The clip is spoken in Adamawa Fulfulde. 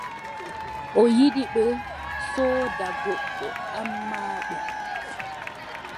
O yiɗi ɓe sooda goɗɗo, ammaa ɓe.